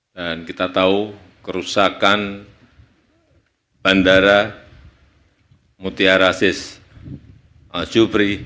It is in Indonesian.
dan kita tahu kerusakan bandara mutia rasis al jubri